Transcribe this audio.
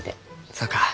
そうか。